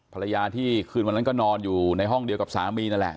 ภรรยาที่คืนวันนั้นก็นอนอยู่ในห้องเดียวกับสามีนั่นแหละ